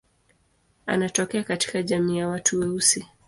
Anatokea katika jamii ya watu weusi.